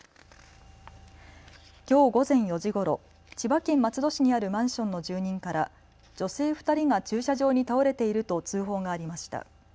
きょう午前４時ごろ、千葉県松戸市にあるマンションの住人から女性２人が駐車場に倒れていると通報がありました。